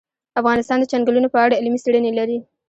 افغانستان د چنګلونه په اړه علمي څېړنې لري.